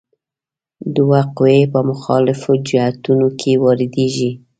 دوه قوې په مخالفو جهتونو کې واردیږي.